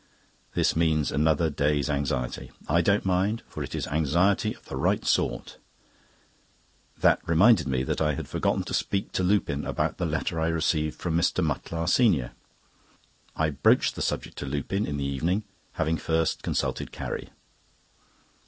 This means another day's anxiety; I don't mind, for it is anxiety of the right sort. That reminded me that I had forgotten to speak to Lupin about the letter I received from Mr. Mutlar, senr. I broached the subject to Lupin in the evening, having first consulted Carrie.